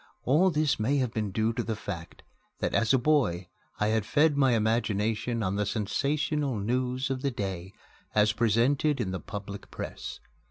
All this may have been due to the fact that, as a boy, I had fed my imagination on the sensational news of the day as presented in the public press.